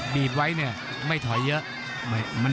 บีบไว้เนี่ยไม่ถอยเยอะ